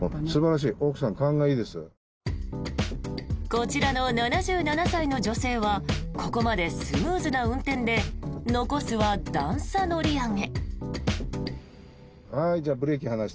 こちらの７７歳の女性はここまでスムーズな運転で残すは段差乗り上げ。